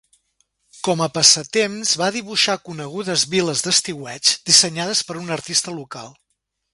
Com a passatemps va dibuixar conegudes viles d'estiueig dissenyades per un artista local.